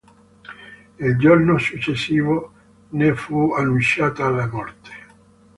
Il giorno successivo ne fu annunciata la morte.